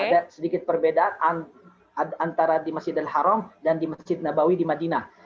ada sedikit perbedaan antara di masjidil haram dan di masjid nabawi di madinah